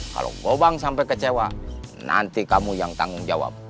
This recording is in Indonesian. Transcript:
kalau goba sampai kecewa nanti kamu yang tanggung jawab